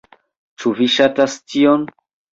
Ĉu vi ŝatas tion?